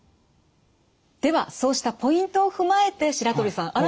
ではそうしたポイントを踏まえて白鳥さん